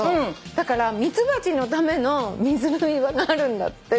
だからミツバチのための水飲み場があるんだって。